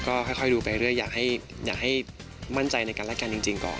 ก็ค่อยดูไปเรื่อยอยากให้มั่นใจในกันและกันจริงก่อน